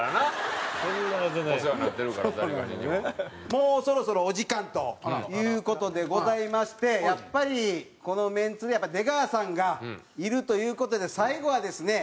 もうそろそろお時間という事でございましてやっぱりこのメンツには出川さんがいるという事で最後はですね